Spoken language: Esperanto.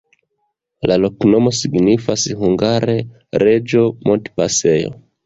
La loknomo signifas hungare: reĝo-montpasejo.